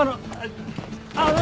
あの。